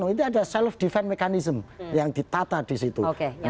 itu ada self defense mechanism yang ditata di situ